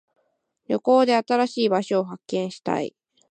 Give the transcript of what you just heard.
旅行で新しい場所を発見したい。